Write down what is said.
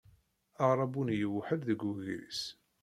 Aɣerrabu-nni yewḥel deg wegris.